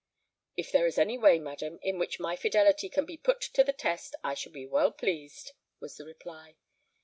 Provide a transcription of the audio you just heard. "If there is any way, madam, in which my fidelity can be put to the test, I shall be well pleased," was the reply.